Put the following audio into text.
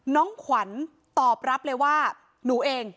น้องขวัญตอบรับเลยว่าหนูเอง